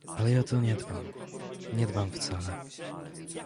— Ale ja o to nie dbam… nie dbam wcale…